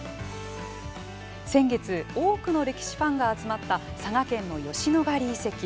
先月、多くの歴史ファンが集まった、佐賀県の吉野ヶ里遺跡。